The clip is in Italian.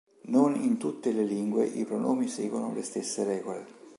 Non in tutte le lingue i pronomi seguono le stesse regole.